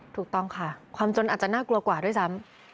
ถูกต้องค่ะความจนอาจจะน่ากลัวกว่าด้วยซ้ำ